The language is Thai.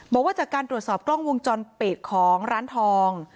บอกว่าจากการตรวจสอบกล้องวงจรปิดของร้านทอง